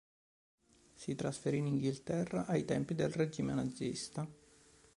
Si trasferì in Inghilterra ai tempi del regime nazista.